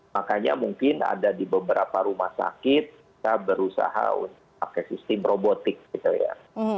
makanya mungkin ada di beberapa rumah sakit kita berusaha pakai sistem robotik gitu ya